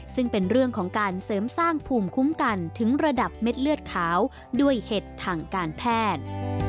ซึ่งเป็นเรื่องของการเสริมสร้างภูมิคุ้มกันถึงระดับเม็ดเลือดขาวด้วยเห็ดทางการแพทย์